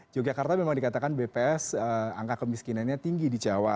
yogyakarta memang dikatakan bps angka kemiskinannya tinggi di jawa